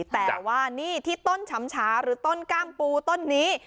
แต่ว่านี่ที่ต้นฉำชาหรือต้นกล้ามปูต้นนี้